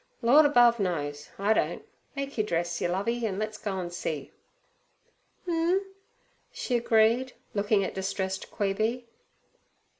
'Lord above knows, I don't. Make 'er dress yer, Lovey, an' le's go an' see.' "N,' she agreed, looking at distressed Queeby.